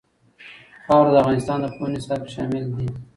خاوره د افغانستان د پوهنې نصاب کې شامل دي.